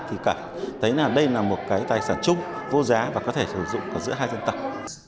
thì thấy là đây là một cái tài sản chung vô giá và có thể sử dụng giữa hai dân tộc